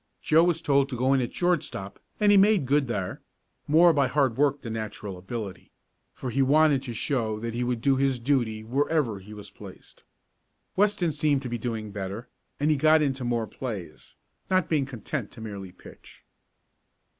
Joe was told to go in at shortstop, and he made good there, more by hard work than natural ability, for he wanted to show that he would do his duty wherever he was placed. Weston seemed to be doing better, and he got into more plays, not being content to merely pitch.